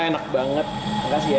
enak banget makasih ya